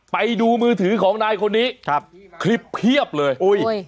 ไปดูมือถือของนายคนนี้ครับคลิปเพียบเลย